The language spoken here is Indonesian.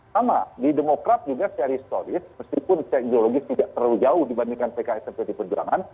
sama di demokrat juga secara historis meskipun secara ideologis tidak terlalu jauh dibandingkan pks dan pd perjuangan